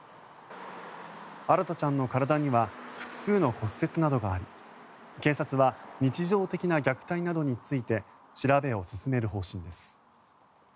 新大ちゃんの体には複数の骨折などがあり、警察は日常的な虐待などについて調べを進める方針です。